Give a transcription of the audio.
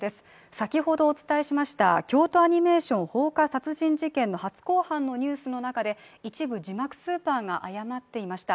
先ほどお伝えしました京都アニメーション放火殺人事件の初公判のニュースの中で一部字幕スーパーが誤っていました。